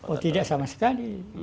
oh tidak sama sekali